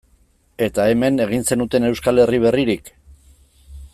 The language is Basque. Eta, hemen, egin zenuten Euskal Herri berririk?